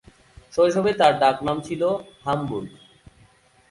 শৈশবে তার ডাক নাম ছিল "হামবুর্গ"।